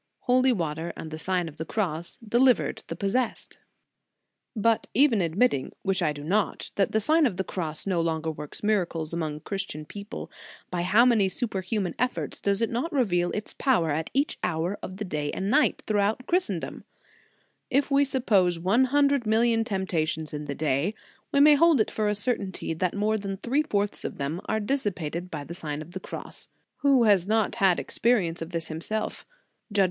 Holy water and the Sign of the Cross delivered the possessed."* But even admitting, which I do not, that the Sign of the Cross no longer works mira cles among Christian people, by how many superhuman effects does it not reveal its power at each hour of the day and night, throughout Christendom? If we suppose one hundred million temptations in the day, we may hold it for a certainty that more than three fourths of them are dissipated by the Sign of the Cross. Who has not had expe rience of this in himself? Judge from this; * Letter of Mjrr. Anouilh, Bishop of Abydos, missionary in China.